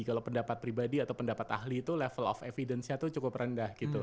kalau pendapat pribadi atau pendapat ahli itu level of evidence nya itu cukup rendah gitu